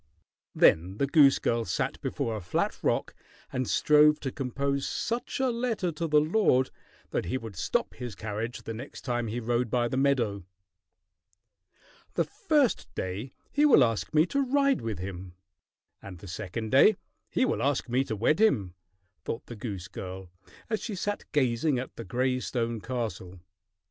Then the goose girl sat before a flat rock and strove to compose such a letter to the lord that he would stop his carriage the next time he rode by the meadow. "The first day he will ask me to ride with him, and the second day he will ask me to wed him," thought the goose girl, as she sat gazing at the gray stone castle.